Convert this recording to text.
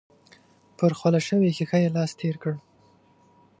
پر خوله شوې ښيښه يې لاس تېر کړ.